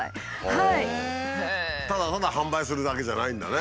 ただただ販売するだけじゃないんだね。